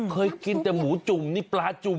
เคยกินแต่หมูจุ่มนี่ปลาจุ่ม